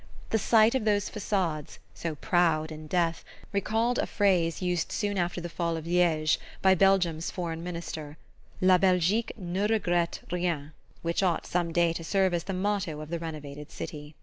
The sight of those facades, so proud in death, recalled a phrase used soon after the fall of Liege by Belgium's Foreign Minister "La Belgique ne regrette rien " which ought some day to serve as the motto of the renovated city.